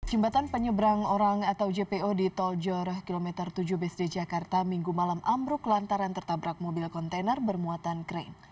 jembatan penyeberang orang atau jpo di tol jor kilometer tujuh bsd jakarta minggu malam ambruk lantaran tertabrak mobil kontainer bermuatan krain